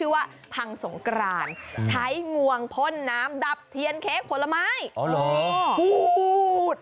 ว่าพังสงกรานใช้งวงพ่นน้ำดับเทียนเค้กผลไม้